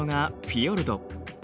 フィヨルド。